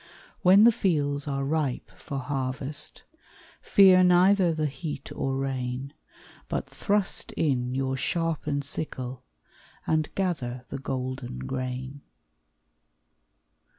When the fields are ripe for harvest Fear neither the heat or rain, But thrust in your sharpened sickle, And gather the golden grain.